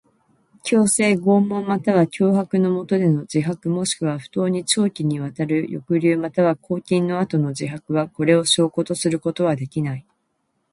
強制、拷問または脅迫のもとでの自白もしくは不当に長期にわたる抑留または拘禁の後の自白は、これを証拠とすることはできない。